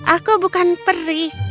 aku bukan perih